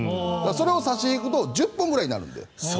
それを差し引くと１０本ぐらいになるので。